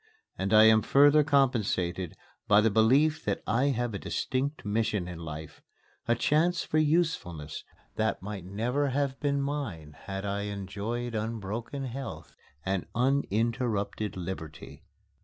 And I am further compensated by the belief that I have a distinct mission in life a chance for usefulness that might never have been mine had I enjoyed unbroken health and uninterrupted liberty.